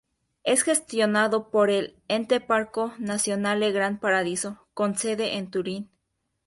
Es gestionado por el "Ente Parco Nazionale Gran Paradiso" con sede en Turín.